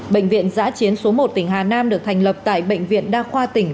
bệnh viện giã chiến số một tỉnh hà nam được thành lập tại bệnh viện đa khoa tỉnh